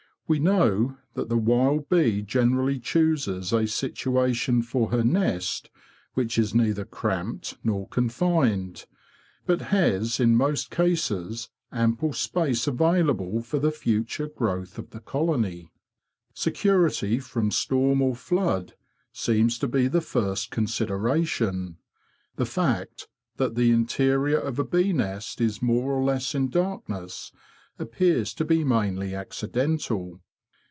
We know that the wild bee generally chooses a situation for her nest which is neither cramped nor confined, but has in most cases ample space available for the future growth of the colony. Security from storm or flood seems to be the first consideration. The fact that the interior of a bee nest is more or less in darkness appears to be mainly accidental.